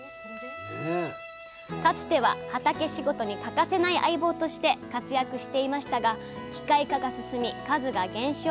かつては畑仕事に欠かせない相棒として活躍していましたが機械化が進み数が減少。